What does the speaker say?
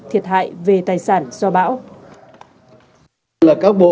thiệt hại về tài sản do bão